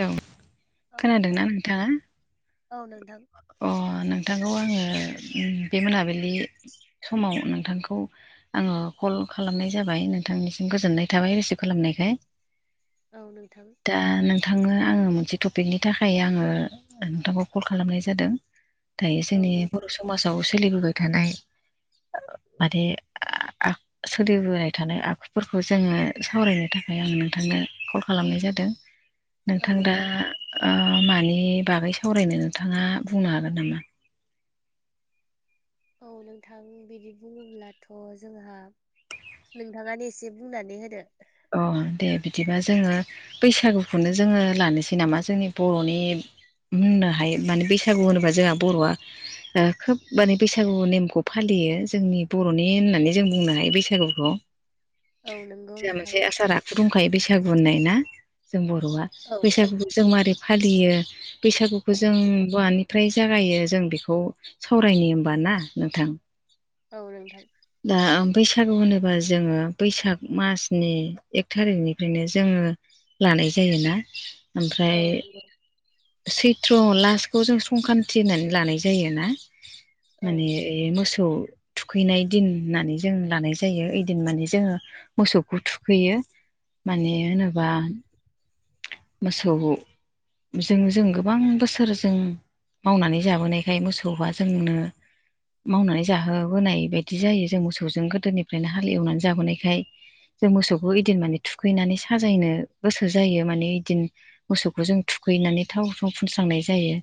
Hello औ नोंथां खोनादोंना नोंथाङा? औ नोंथां अ नोंथांखौ आङो बे मोनाबिलि समाव नोंथांखौ आङो कल खालामनाय जाबाय नोंथांनिसिम गोजोननाय थाबाय रिसिभ खालामनायखाय। औ नोंथां। दा नोंथांनो आङो मोनसे टपिकनि थाखाय आङो नोंथांखौ कल खालामनाय जादों। दायो औ जोंनि नोंथां बर' समाजाव सोलिबोबाय थानाय माने [unintelligible] सोलिबोाय थानाय आखुफोरखौ जोङो सावरायनो थाखाय आं नोंथांनो कल खालामनाय जादों। नोंथां दा ओ मानि बागै सावरायनो नोंथाङा बुंनो हागोन नामा? औ नोंथां बिदि बुङोब्लाथ' जोंहा नोंथाङानो एसे बुंनानै होदो। अ दे बिदिबा जोङो बैसागुखौनो जोङो लानोसै नामा जोंनि बर'नि होननो हायो माने बैसागु होनोबा जोंहा बर'आ ओ खोब माने बैसागु नेमखौ फालियो जोंनि बर'नि होननानै जों बुंनो हायो बैसागुखौ। औ नों जोंहा मोनसे आसार दंखायो बैसागु होननाय ना जों बर'आ औ बैसागुखौ जों मारै फालियो बैसागुखौ जों बवानि ओमफ्राय जागायो जों बेखौ सावरायनो होमबा ना नोंथां। औ नोंथां। दा बैसागु होनोबा जोङो बैसाग मास नि एक थारिखनिफ्रायनो जोङो लानाय जायोना? औ ओमफ्राय नंगौ सैथ्र' लास्टखौ जों संख्रान्ति होननानै लानाय जायोना औ माने ए मोसौ थुखैनाय दिन होननानै जों लानाय जायो ऐदिन माने जोङो मोसौ [unintelligible] थुखैयो माने होनोबा मोसौजों जों गोबां बोसोर जों मावनानै जाबोनायखाय मोसौआ जोंनो मावनानै जाहोबोनाय बायदि जायो जों मोसौजों गोदोनिफ्रायनो हालेवनानै जाबोनायखाय जों मोसौखौ इदिन माने थुखैनानै साजायनो बोसोर जायो माने इदिन मोसौखौ जों थुखैनानै थाव साव फुनस्रांनाय जायो।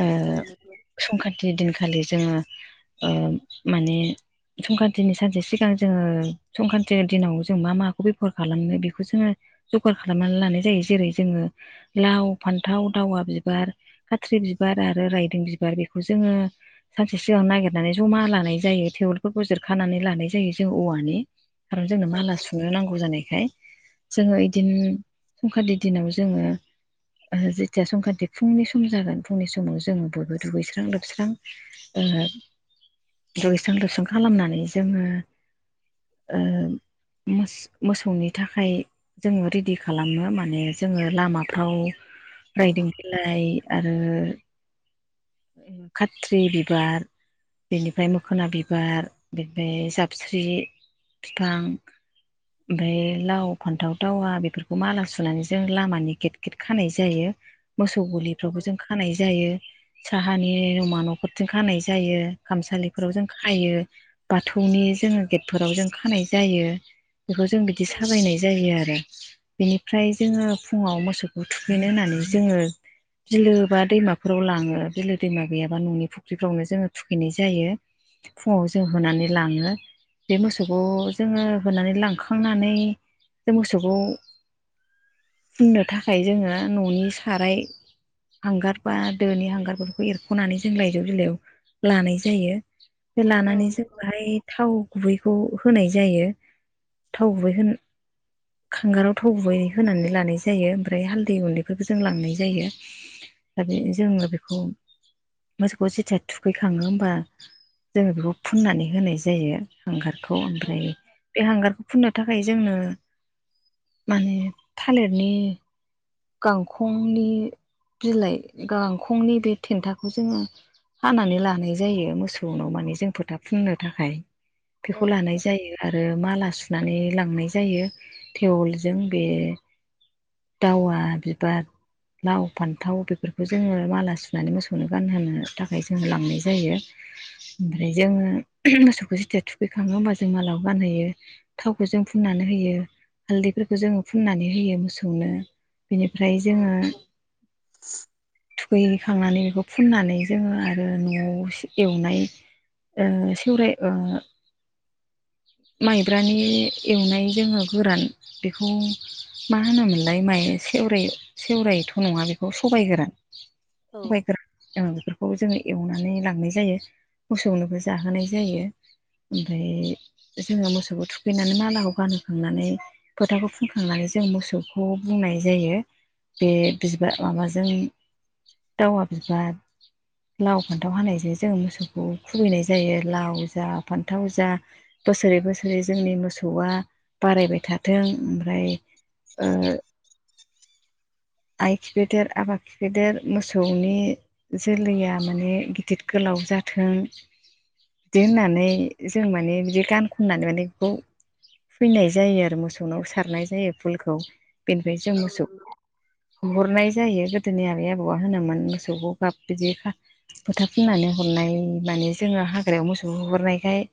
ओ औ नंगौ। संक्रान्ति दिनखालि जोङो ओ माने संक्रान्तिनि सानसे सिगां जोङो संक्रान्त दिनाव जों मा माखौ बेबहार खालामो बेखौ जोङो जगार खालामनानै लानाय जायो जेरै जोङो लाव फान्थाव दावा बिबार। खाथ्रि बिबार आरो रायदों बिबार बेखौ जोङो सानसे सिगां नागिरनानै जमा लानाय जायो टेबोलफोरखौ जिरखानानै लानाय जायो जों औवानि खार जोंनो माला सुनो नांगौ जानायखाय जोङो बिदिन संख्रान्ति दिनाव जोङो जेथिया संख्रान्थि फुंनि सम जागोन फुंनि समाव जोङो बयबो दुगैस्रां लोबस्रां [unintelligible] दुगैस्रां लोबस्रां खालामनानै जोङो ओ मोसौनि थाखाय जोङो रेडि खालामो माने जोङो लामाफ्राव रायदों औ बिलाय आरो खात्रि बिबार बेनिफ्राय मोखोना बिबार बेनिफ्राय जाबस्रि बिफां ओमफ्राय लाव फान्थाव दावा बेफोरखौ माला सुनानै जों लामानि गेट गेट खानाय जायो मोसौ गलिफ्रावबो जों खानाय जायो। साहानि नमा न'फोररथिं खानाय जायो खामसालिफोराव जों खायो। बाथौनि जोङो गेटफोराव जों खानाय जायो बेखौ जों बिदि साजायनाय जायो आरो। बेनिफ्राय जोङो फुङाव मोसौखौ थुखैनो होननानै जोङो बिलो बा दैमाफोराव लाङो बिलो दैमा गैयाबा न'नि फुख्रिफ्रावनो जोङो थुखैनाय जायो। फुङाव जों होनानै लाङो बे मोसौखौ जोङो होनानै लांखांनानै जों मोसौखौ फुननो थाखाय जोङो न'नि साराय हांगार बा दोनि हांगारफोरखौ एरख'नानै जों लाइजौ बिलायाव लानाय जायो। बे लानानै जों बाहाय थाव गुबैखौ होनाय जायो थाव गुबै होन हांगाराव थाव गुबै होनानै लानाय जायो ओमफ्राय हालदै गुन्दैफोरबो जों लांनाय जायो। आरो बे जोङो बेखौ मोसौखौ जेथिया थुखैखाङो होमबा जोङो बेखौ फुननानै होनाय जायो हांगार खौ औ ओमफ्राय बे हांगारखौ फुननो थाखाय जोंनो माने थालिरनि गांखंनि बिलाइ गांखंनि बे थेन्थाखौ जोङो हानानै लानाय जायो मोसौनाव माने जों फोथा फुननो थाखाय। बेखौ लानाय जायो आरो माला सुनानै लांनाय जायो। थेवोलजों बे दावा बिबार लाव फान्थाव बेफोरखौ जोङो माला सुनानै मोसौनो गानहोनो थाखाय जोङो लांनाय जायो। ओमफ्राय जोङो मोसौखौ जेथिया थुखैखाङो होमबा जों मालाखौ गानहोयो। थावखौ जों फुननानै होयो हालदैफोरखौ जोङो फुननानै होयो मोसौनो। बिनिफ्राय जोङो थुख थुखैहैखांनानै बेखौ फुननानै जोङो आरो न'आव सि एवनाय ओ सेवराइ ओ माइब्रानि एवनाय जोङो गोरान बेखौ मा होनोमोनलाय माइ सेवराय सेवरायथ' नङा बेखौ सबाय गोरान सबाइ गोरान ओं बेफोरखौ जोङो एवनानै लांनाय जायो मोसौनोबो जाहोनाय जायो। ओमफाय जोङो मोसौखौ थुखैनानै मालाखौ गानहोखांनानै फोथाखौ फुनखांनानै जों मोसौखौ बुंनाय जायो बे बिबार माबाजों दावा बिबार लाव फान्थाव हानायजों जोङो मोसौखौ खुबैनाय जायो लाव जा फान्थाव जा बोसोरै बोसोरै जोंनि मोसौआ बारायबाय था थों ओमफ्राय ओ आइ खिफेदेर आफा खिफेदेर मोसौनि जोलैया माने गिदिद गोलाव जाथों बिदि होननानै जों माने बिदि गान खननानै माने बेखौ फुइनाय जायो आरो मोसौनाव सारनाय जायो फुलखौ बेनिफ्राय जों मोसौखौ होहरनाय जायो गोदोनि आबै आबौआ होनोमोन मोसौखौ गाब बिदि खा फोथा फुननानै हरनाय माने जोङो हाग्रायाव मोसौ होहरनायखाय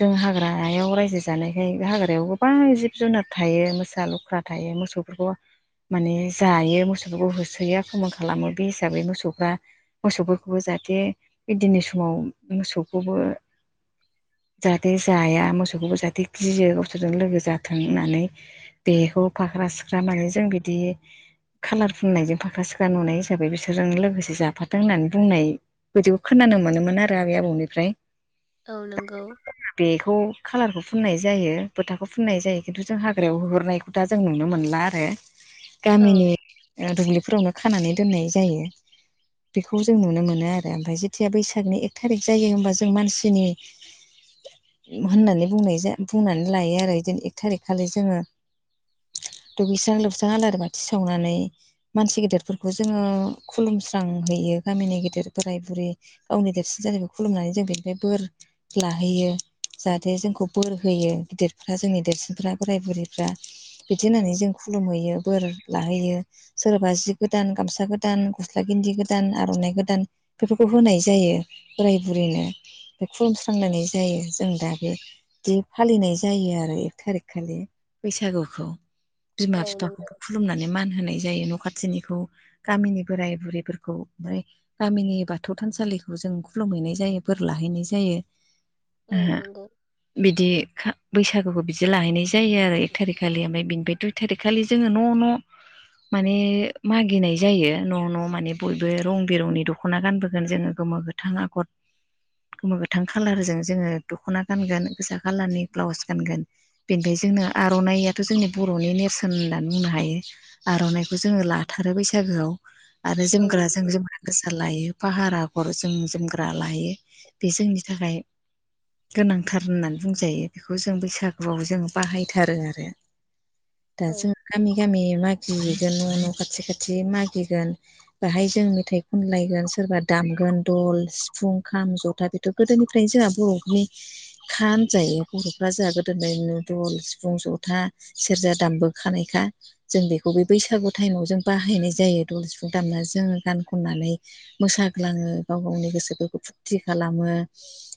जों हाग्रायाव रायजो जानायखाय हाग्रायाव गोबां जिब जुनार थायो मोसा लख्रा थायो मोसौफोरखौ माने जायो मोसौफोरखौ होसोयो आख्रमन खालामो बे हिसाबै मोसौफ्रा मोसौफोरखौबो जाहाथे गोदिनि समाव मोसौखौबो जाहाथे जाया मोसौखौबो जाहाथे गियो गावसोरजों लोगो जा थों होननानै बेखौ फाख्रा सिख्रा माने जों बिदि खालार फुननायजों फाख्रा सिख्रा नुनाय हिसाबै बिसोरजों लोगोसे जाफाथों होननानै बुंनाय बिदिखौ खोनानो मोनोमोन आरो आबै आबौनिफ्राय। औ नोंगौ। बेखौ खालारखौ फुननाय जायो फोथाखौ फुननाय जायो। खिन्थु जों हाग्रायाव होहरनायखौ दा जों नुनो मोनला आरो औ गामिनि ओ दुब्लिफोरावनो खानानै दोननाय जायो। बेखौ जों नुनो मोनो आरो ओमफाय जिथिया बैसागनि एक थारिक जायो ओमबा जों मानसिनि होननानै बुंनाय जा बुंनानै लायो आरो इदिनो एक थारिख खालि जोङो दुगैस्रां लोबस्रां आलारि बाथि सावनानै मानसि गेदेरफोरखौ जोङो खुलुमस्रांहैयो गामिनि गेदेर बोराय बुरै गावनि देरसिन जानायखौ खुलुमनानै जों बेनिफ्राय बोर लाहैयो जाहाथे जोंखौ बोर होयो गिदिरफ्रा जोंनि देरसिन फ्रा बोराय बुरैफ्रा बिदि औ होननानै जों खुलुमहैयो बोर लाहैयो सोरबा जि गोदान गामसा गोदान दान गस्ला गेनजि गोदान आर'नाइ गोदान बेफोरखौ होनाय जायो बोराय बुरैनो खुलुमस्रांनानै जायो जों दा बे दि फालिनाय जायो आरो एक थारिख खालि बैसागुखौ बिमा औ नंगौ औ नंगौ औ बिफाखौ नंगौ खुलुमनानै मान होनाय जायो न' खाथिनिखौ गामिनि बोराय बुरैफोरखौ ओमफ्राय गामिनि बाथौ थानसालिखौ जों खुलुमहैनाय जायो बोर लाहैनाय जायो। औ ओ नंगौ। बिदि खा बैसागुखौ बिदि लाहैनोनाय जायो आरो एक थारिक खालि ओमफ्राय बिनिफ्राय दुइ थारिक खालि जोङो न' न' माने मागिनाय जायो न' न' माने बयबो रं बिरंनि दख'ना गानबोगोन जोङो गोमो गोथ थाङा कट गोमा गोथां खाालारजों जोङो दख'ना गानगोन गोसा खालारनि ब्लाउस गानगोन। बेनिफ्रायाय जोंनो आर'नाइयाथ' जोंनि बर'नि नेरसोन होननानै बुंनो हायो। आर'नाइखौ जोङो लाथारो बैसागोआव आरो औ जोमग्रा जों जोमग्रा गोसा लायो फाहार आगर जों जोमग्रा लायो बे जोंनि थाखाय गोनांथार होननानै बुंजायो बेखौ जों बैसागुआव जों बाहायथारो आरो दा औ जों गामि गामि मागिहैगोन न' खाथि खाथि मागिगोन। बाहाय जों मेथाइ खनलायगोन सोरबा दामगोन दल, सिफुं, खाम, जथा बेफ ट' गोदोनिफ्रायनो जोंहा बर'फोरनि खाम जायो बर'फ्रा जोंहा गोदोनिफायनो दल, सिफुं, जथा, सेरजा दामबो खानायखा। जों बेखौ बे बैसागु टाइमाव जों बाहायनाय जायो दल सिफुं दामना जोङो गान खननानै मोसाग्लाङो गाव गावनि गोसोफोरखौ फुरथि खालामो।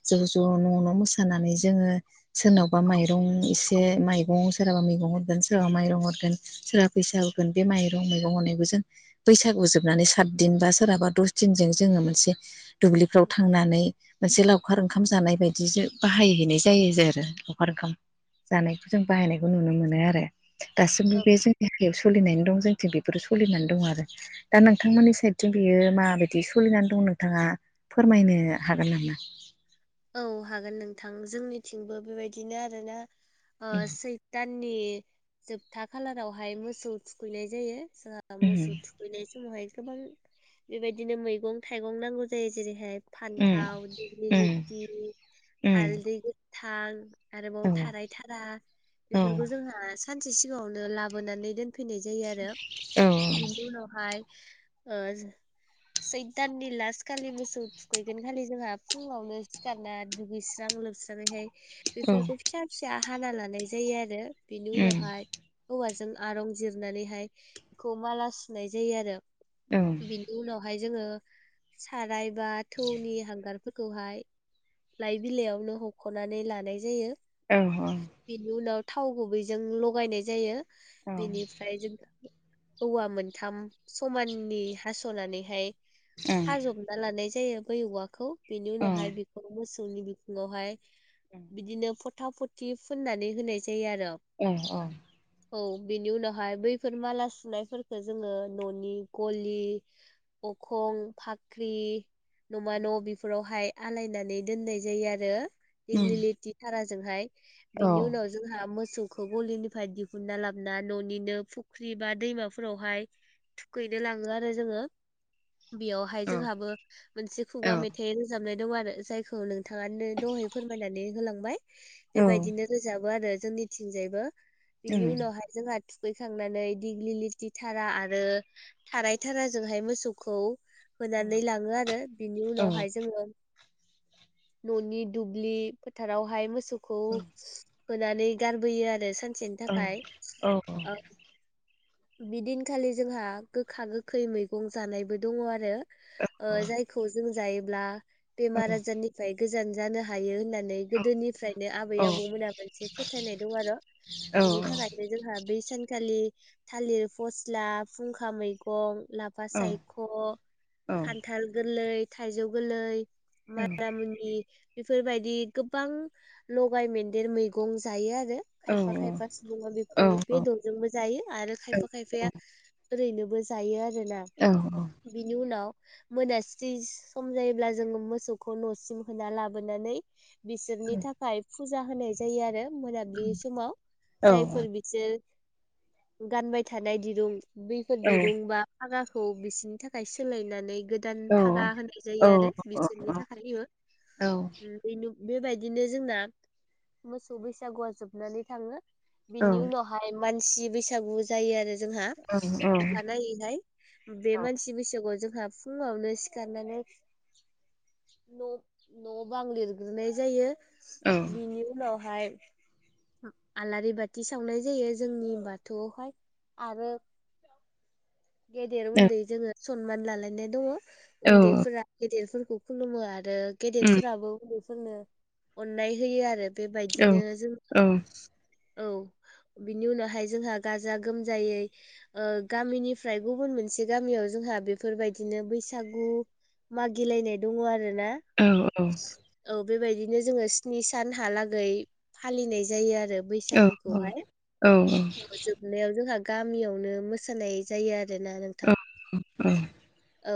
ज' ज' न' न' मोसानानै जोङो सोरनावबा माइरं से मैगं सोराबा मैगं हरगोन सोरहाबा माइरं हरगोन। सोरा फैसा होगोन बे माइरं मैगं अनायखौ जों बैसागु जोबनानै सात दिन बा सोरहाबा दस दिनजों जोङो मोनसे दुब्लिफ्राव थांनानै मोनसे लावखार ओंखाम जानाय बायदि बाहायहैनाय जायो आरो लावखार ओंखाम। जानायखौ जों बाहायनायखौ नुनो मोनो आरो दासिमबो औ बे जों [unintelligible] सलिनानै दं जोंथिं बेफोरो सलिनानै दं आरो दा नोंथांमोननि साइदजों बियो माबायदि सलिनानै दं नोंथाङा फोरमायनो हागोन नामा? औ हागोन नोंथां जोंनिथिंबो बेबायदिनो आरोना ओ सैताननि जोबथा खालारावहाय मोसौ थुखैनाय जायो जोंहा उम मोसौ थुख खैनाय समावहाय गोबां बेबायदिनो मैगं थाइगं नांगौ जायो जेरैहाय उम फान्थाव दिग्लिलिटि उम हालदि गोदथां। आरोबाव थाराय थारा उम बेफोरखौ जोंहा सानसे सिगाङावनो लाबोनानै दोन खैनाय जायो आरो बिनि उनावहाय ओ सैद दाननि लास्ट खालि मोसौ थुखैगोन खालि जोंहा फुङावनो सिखारना दुगैस्रां लोबस्रनानैहाय उम बेफोरखौ फिसा फिसा हाना लानाय जायो आरो बिनि उनावहाय हौवाजों आरं जिरनानैहाय बेखौ माला सुनाय जायो आरो औ बेन बेनिन उनावहाय जोङो साराय बा थौनि हांगारफोरखौहाय लाइ बिलाइयावनो हख'नानै लानाय जायो। ओं ह बिनि उनाव थाव गुबैजों लगायनाय जायो बेनिफ्राय जों औवा मोनथाम समाननि हास'नानैहाय खाजब ना लानाय जायो बै औवाखौ बेनि उम उनावहाय बेखौ मोसौनि बि उनावहाय बिदिनो फथा फथि फुननानै होनाय जायो आरो। औ औ औ बेनि उनावहाय बैफोर माला सुनायफोरखो जोङो न'नि गलि अखं फाख्रि नमा न' बेफोरावहाय आलायनानै नै दोन्नाय जायो आरो। औ दिग्लिलिथि थाराजोंहाय औ बिनि उनाव जोंहा मोसौखौ गलिनिफ्राय दिहुनना लाबोना न'निनो फुख्रि बा दैमाफोराव हाय थुखैनो लाङो आरो जोङो। बेयावहाय जोंहाबो मोनसे औ खुगा मेथाइ रोजाबनाय दं आरो जायखौ नों नोंथां आनो दहाय फोरमायनानै होलांबाय। बेबायदिनो रोजाबो आरो जोंनि थिंजायबो बिनि उनावहाय जोंहा थुखैखांनानै दिग्लि लिरथि थारा आरो थाराय थाराजोंहाय मोसौखौ औ होनानै लाङो आरो बिनि औ उनावहाय जोङो न'नि दुब्लि फोथारावहाय मोसौखौ औ होनानै गारबोयो आरो सानसेनि थाखाय। औ बिदिनखालि जोंहा गोखा गोखै मैगं जानायबो दङ आरो। ओ जायखौ जों जायोब्ला बेमार आज निफ्राय गोजान जानो हायो होननानै गोदोनि फ्रायनो आबै आबौमोनाबो एसे फोथायनाय दं आरो' बिनि थाखाय जे जोंहा बै सानखालि थालिर फस्ला फुंखा मैगं लाफ फा सायख' खान्थाल गोरलै थाइजौ गोरलै मुनि बेफोरबायदि गोबां लगाय मोनदेर मैगं जायो आरो। खायफा खायफा सुबुङा बेखौ बेदर जोंबो जायो आरो खायफा खायफाया ओरै नोबो जायो आरो ना। औ औ। बिनि उनाव मोनास्रिस सम' जायोब्ला जोङो मोसौ खौ न'सिम होना लाबोनानै बिसोरनि थाखाय फुजा होनाय जायो आरो मोनाबिलि समाव जायफोर बि जे गानबाय थानाय दिरुं बेफोर दिरुं बा फागाखौ बिसोरनि थाखाय सोलायनानै गोदान फागा होनाय जायो आरो बिसोरनि थाख हायो ओम बै नुब बेबायदिनो जोंना मोसौ बैसागुआ जोबनानै थाङो। बिनि उनावहाय मानसि बैसागु जायो आरो जोंहा अखानायै हाय बे मानसि बैसागु जोंहा फुङावनो सिखारनानै न' न' बां लिरग्रोनाय जायो बिनि उनावहाय [inaudible] आलारि बाथि सावनाय जायो जोंनि बाथौआवहाय आरो [inaudible] गेदेर उन्दै जोङो सनमान लालायनाय दङ उन्दैफोरा गेदेरफोरखौ खुलुमो आरो गेदेरफोराबो उन्दैफोरनो अननाय होयो आरो। बेबायदिनो जोङो औ बिनि उनावहाय जोंहा गाजा गोमजायै ओ गामिनिफ्राय गुबुन मोनसे गामियाव जोंहा बेफोरबायदिनो बैसागु माागिलायनाय दङ आरो ना। औ औ। औ बेबायदिनो जोङो स्नि सानहालागै फालिनाय जायो आरो। बैसागुखौ हाय अ जोब नायाव जोंहा गामियावनो मोसानाय जायो आरो ना नोंथां। औ औ।